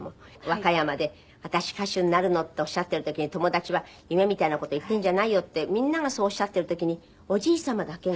和歌山で「私歌手になるの」っておっしゃってる時に友達は「夢みたいな事言ってんじゃないよ」ってみんながそうおっしゃってる時におじい様だけが。